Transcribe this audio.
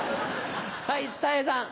はいたい平さん。